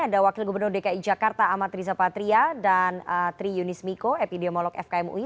ada wakil gubernur dki jakarta amat riza patria dan tri yunis miko epidemiolog fkm ui